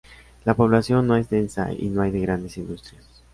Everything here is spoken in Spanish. La población no es densa y no hay de grandes industrias.